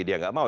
dia tidak mau